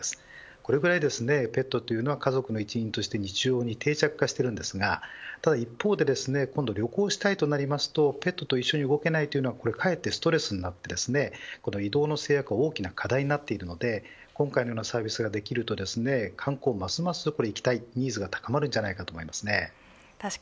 これぐらいペットというのは家族の一員として日常に定着化していますが一方で旅行したいとなるとペットと一緒に動けないというのはかえってストレスになり移動の制約は大きな課題になっているので今回のようなサービスができると観光に行きたいというニーズがますます高まると思います。